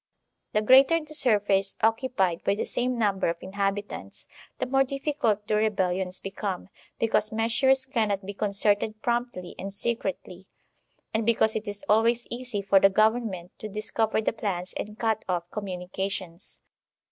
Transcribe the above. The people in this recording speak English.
The greater the surface occu pied by the same number of inhabitants, the more difScult do rebellions become, because meastires cannot be con certed promptly and secretly, and because it is always easy for the government to discover the plans and cut oflf communications.